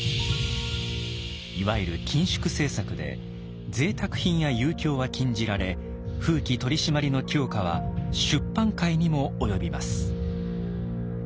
いわゆる緊縮政策でぜいたく品や遊興は禁じられ風紀取り締まりの強化は出版界にも及びます。